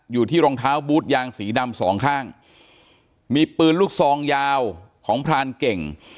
อยู่ที่รองเท้าบูธยางสีดำสองข้างมีปืนลูกซองยาวของพรานเก่ง